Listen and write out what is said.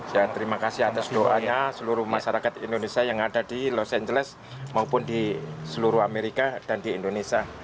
ya terima kasih atas doanya seluruh masyarakat indonesia yang ada di los angeles maupun di seluruh amerika dan di indonesia